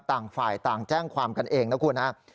ต่างฝ่ายต่างแจ้งความกันเองนะครับ